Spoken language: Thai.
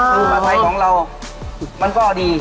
ภูมิภาพไทยของเรามันก็ดี